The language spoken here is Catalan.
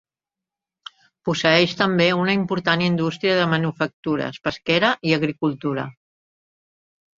Posseeix també una important indústria de manufactures, pesquera i agricultura.